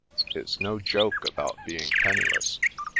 " It's no joke about be ing penniless.